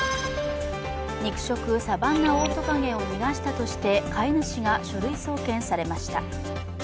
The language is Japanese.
肉食、サバンナオオトカゲを逃がしたとして、飼い主が書類送検されました。